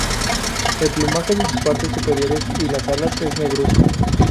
El plumaje de sus partes superiores y las alas es negruzco.